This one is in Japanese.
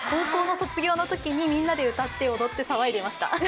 高校の卒業のときにみんなで歌って踊って騒いでました。